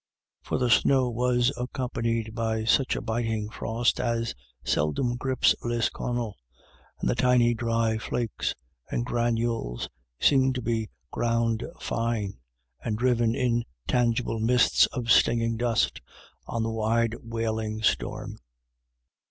For the snow was accompanied by such a biting frost as seldom grips Lisconnel, and the tiny dry flakes and granules seemed to be ground fine and driven in tangible mists of stinging dust on the wide wailing storm.